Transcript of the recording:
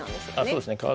そうですね。